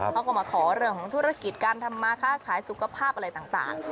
เขาก็มาขอเรื่องของธุรกิจการทำมาค้าขายสุขภาพอะไรต่าง